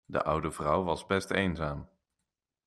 De oude vrouw was best eenzaam.